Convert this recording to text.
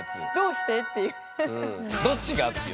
どっちがっていう。